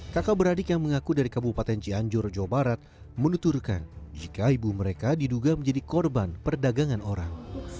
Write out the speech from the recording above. kakak beradik yang mengaku dari kabupaten cianjur jawa barat menuturkan jika ibu mereka diduga menjadi korban perdagangan orang